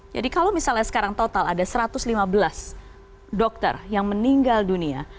jadi kalau misalnya sekarang total ada satu ratus lima belas dokter yang meninggal dunia